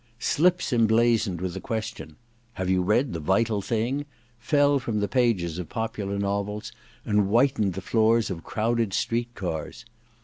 Slips emblazoned with the question : Have you read • The Vital Thing"? fell from the pages of popular novels and whitened the floors of crowded street cars.